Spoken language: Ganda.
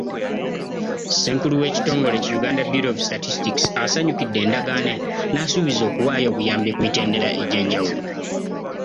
Ssenkulu w'ekitongole ki Uganda Bureau of Statistics, asanyukidde endagaano eno n'asuubiza okuwaayo obuyambi ku mitendera egy'enjawulo.